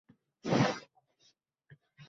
Xalqlar otasi